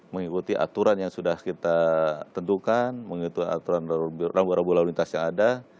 mengikuti aturan yang sudah kita tentukan mengikuti aturan rambu rambu lalu lintas yang ada